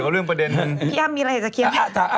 ดูเอย